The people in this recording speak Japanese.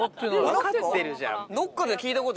分かってるじゃん。